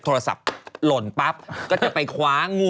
โทรศัพท์หล่นปั๊บก็จะไปคว้างู